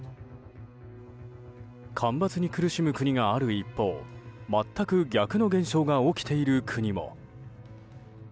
干ばつに苦しむ国がある一方全く逆の現象が起きている国も。